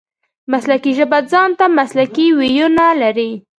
مسلکي ژبه ځان ته مسلکي وییونه لري.